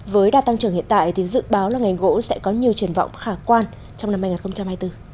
với đa tăng trưởng hiện tại thì dự báo là ngành gỗ sẽ có nhiều triển vọng khả quan trong năm hai nghìn hai mươi bốn